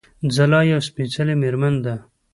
ځلا يوه سپېڅلې مېرمن ده